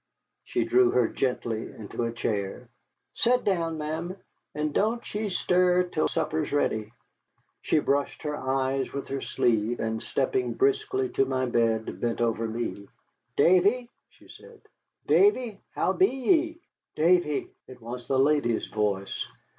She drew her gently into a chair. "Set down, ma'am, and don't ye stir tell supper's ready." She brushed her eyes with her sleeve, and, stepping briskly to my bed, bent over me. "Davy," she said, "Davy, how be ye?" "Davy!" It was the lady's voice.